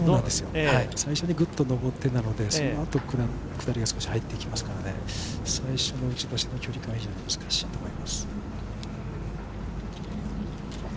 最初にぐっと上って、そのあと下りが入って行きますので、最初の打ち出しの距離感が非常に難しいと思います。